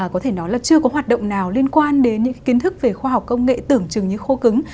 có thể nói là chưa có hoạt động nào liên quan đến những kiến thức về khoa học công nghệ tưởng chừng như khô cứng